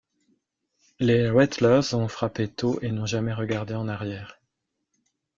Les Rattlers ont frappé tôt et n'ont jamais regardé en arrière.